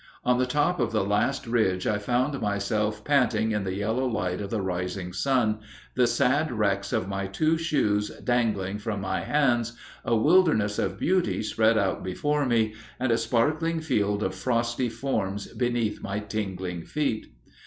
On the top of the last ridge I found myself panting in the yellow light of the rising sun, the sad wrecks of my two shoes dangling from my hands, a wilderness of beauty spread out before me, and a sparkling field of frosty forms beneath my tingling feet.